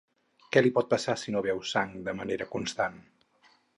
Què li pot passar si no beu sang de manera constant?